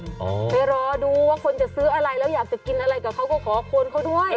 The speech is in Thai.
ไปรอดูว่าคนจะซื้ออะไรแล้วอยากจะกินอะไรกับเขาก็ขอควรเขาด้วย